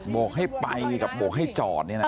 กให้ไปกับโบกให้จอดเนี่ยนะ